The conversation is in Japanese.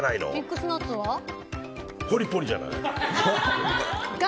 ガリガリじゃない？